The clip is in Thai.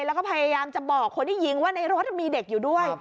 แล้วก็พยายามจะบอกคนที่ยิงว่าในรถมีเด็กอยู่ด้วย